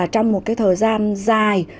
trong một thời gian dài